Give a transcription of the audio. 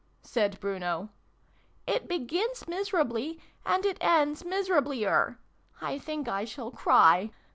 said Bruno. "It begins miserably, and it ends miserablier. I think I shall cry.